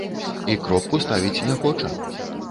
І кропку ставіць не хоча.